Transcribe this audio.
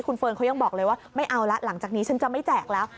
คุณเฟิร์นเขายังบอกเลยว่าไม่เอาละหลังจากนี้ฉันจะไม่แจกแล้ว